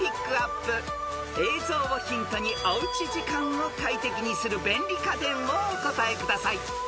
［映像をヒントにおうち時間を快適にする便利家電をお答えください］